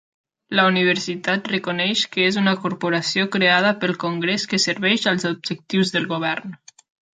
La universitat reconeix que és una corporació creada pel congrés que serveix els objectius del govern.